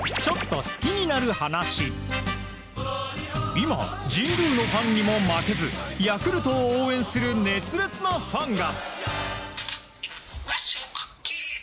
今、神宮のファンにも負けずヤクルトを応援する熱烈なファンが。